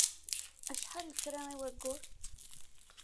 Acḥal lekra i wayyur?